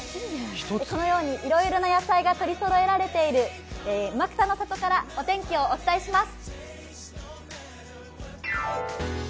このようにいろいろな野菜が取り揃えられているうまくたの里からお天気をお伝えします。